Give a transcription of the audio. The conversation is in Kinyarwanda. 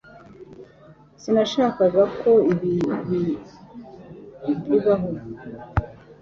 Sinashakaga ko ibi bibaho